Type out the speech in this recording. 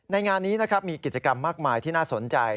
ในงานนี้มีกิจกรรมมากมายที่น่าสนใจ